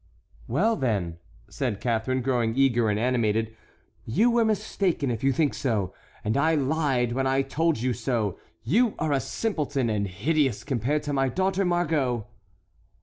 "Well, then," said Catharine, growing eager and animated, "you were mistaken if you think so, and I lied when I told you so; you are a simpleton and hideous compared to my daughter Margot."